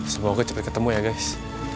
semoga cepat ketemu ya guys